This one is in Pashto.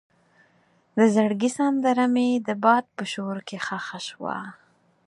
د زړګي سندره مې د باد په شور کې ښخ شوه.